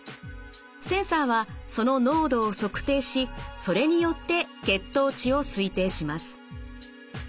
センサーはその濃度を測定しそれによって血糖値を推定します。